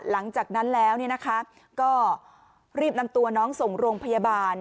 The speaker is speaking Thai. หลังจากนั้นแล้วก็รีบนำตัวน้องส่งโรงพยาบาล